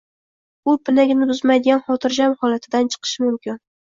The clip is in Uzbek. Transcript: u pinagini buzmaydigan xotirjam holatidan chiqishi mumkin.